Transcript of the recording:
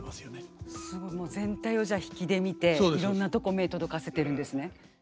もう全体を引きで見ていろんなとこ目届かせてるんですね。